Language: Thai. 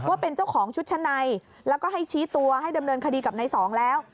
ว่าเป็นเจ้าของชุดชั้นในแล้วก็ให้ชี้ตัวให้ดำเนินคดีกับนายสองแล้ว